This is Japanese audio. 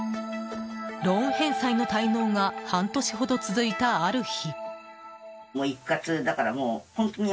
ローン返済の滞納が半年ほど続いたある日。